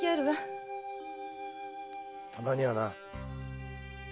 たまにはな。